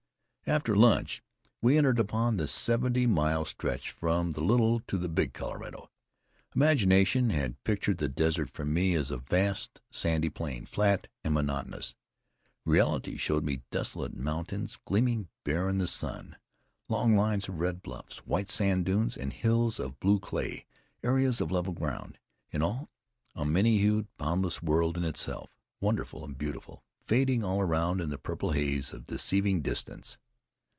After lunch we entered upon the seventy mile stretch from the Little to the Big Colorado. Imagination had pictured the desert for me as a vast, sandy plain, flat and monotonous. Reality showed me desolate mountains gleaming bare in the sun, long lines of red bluffs, white sand dunes, and hills of blue clay, areas of level ground in all, a many hued, boundless world in itself, wonderful and beautiful, fading all around into the purple haze of deceiving distance.